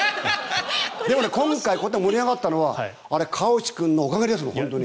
でも今回こうやって盛り上がったのは川内君のおかげです。